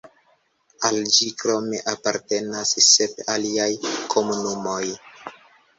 Al ĝi krome apartenas sep aliaj komunumoj.